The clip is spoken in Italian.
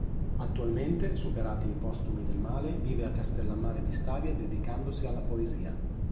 Attualmente, superati i postumi del male, vive a Castellammare di Stabia dedicandosi alla poesia.